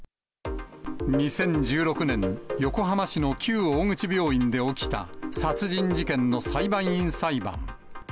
２０１６年、横浜市の旧大口病院で起きた殺人事件の裁判員裁判。